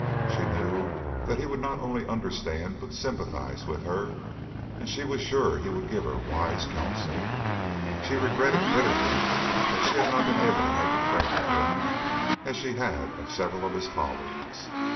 She knew that he would not only understand but sympathize with her, and she was sure he would give her wise counsel. She regretted bitterly that she had not been able to make a friend of him, as she had of several of his colleagues.